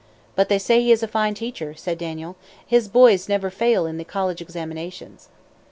"But they say he is a fine teacher," said Daniel. "His boys never fail in the college examinations."